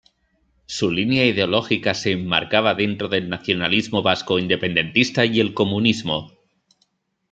Su línea ideológica se enmarcaba dentro del nacionalismo vasco independentista y el comunismo.